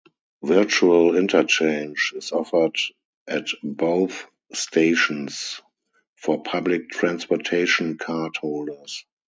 "Virtual interchange" is offered at both stations for Public Transportation Card holders.